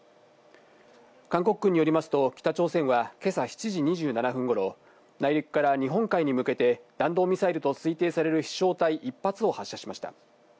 韓国軍によりますと、北朝鮮は今朝７時２７分頃、内陸から日本海に向けて弾道ミサイルと推定される飛翔体１発を発射しました。